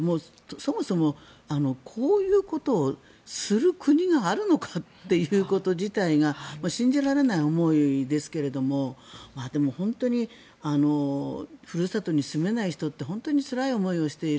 そもそもこういうことをする国があるのかということ自体が信じられない思いですけどもでも、本当にふるさとに住めない人って本当につらい思いをしている。